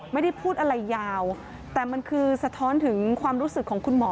ไม่ได้พูดอะไรยาวแต่มันคือสะท้อนถึงความรู้สึกของคุณหมอ